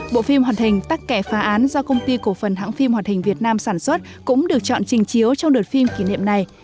bộ phim hoạt hình tắc kẻ phá án do công ty cổ phần hãng phim hoạt hình việt nam sản xuất cũng được chọn trình chiếu trong đợt phim kỷ niệm này